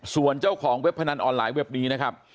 ส่วนเจ้าของเว็บพนันออนไลน์เว็บนี้นะครับ